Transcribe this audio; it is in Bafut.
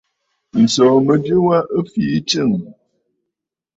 Ǹsòò mɨjɨ wa ɨ fii tsɨ̂ŋ.